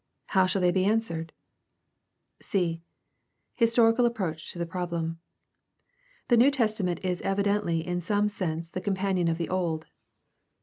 How shall they be answered ? c) Historical approach to the problem. — The New Testament is evidently in some sense the companion of the Old.